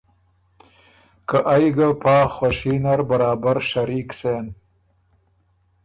که ائ ګه ای پا خوشي نر برابر شریک سېن۔